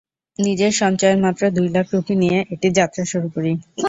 নিজের সঞ্চয়ের মাত্র দুই লাখ রুপি নিয়ে এটির যাত্রা শুরু করি।